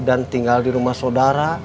tinggal di rumah saudara